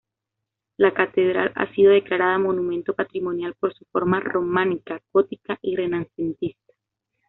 La catedral ha sido declarada monumento patrimonial por su forma románica, gótica y renacentista.